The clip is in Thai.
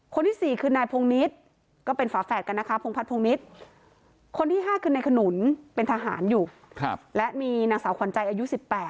คนที่๔คือนายพงนิษฐ์ก็เป็นฝาแฝดกันนะคะพงพัฒนพงนิษฐ์คนที่๕คือนายขนุนเป็นทหารอยู่และมีนางสาวขวัญใจอายุ๑๘